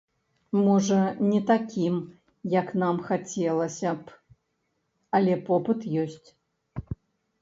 Можа, не такім, як нам хацелася б, але попыт ёсць.